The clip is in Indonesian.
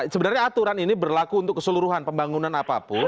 sebenarnya aturan ini berlaku untuk keseluruhan pembangunan apapun